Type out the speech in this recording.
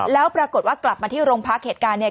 แล้วปรากฏว่ากลับมาที่โรงพักเหตุการณ์เนี่ย